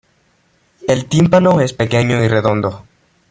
El tímpano es pequeño y redondo.